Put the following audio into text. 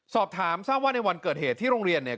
สอบถามทราบว่าในวันเกิดเหตุที่โรงเรียนเนี่ย